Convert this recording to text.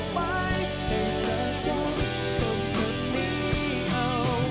ให้เธอจับความคุณนี้เอาไว้